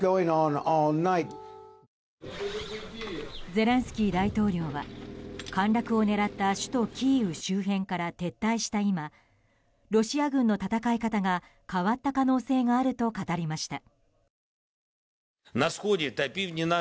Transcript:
ゼレンスキー大統領は陥落を狙った首都キーウ周辺から撤退した今ロシア軍の戦い方が変わった可能性があると語りました。